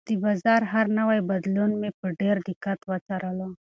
د بازار هر نوی بدلون مې په ډېر دقت وڅارلو.